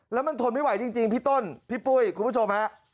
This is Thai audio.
แล้วมันทนไม่ไหวจริงพี่ต้นพี่ปุ้ยคุณผู้ชมฮะ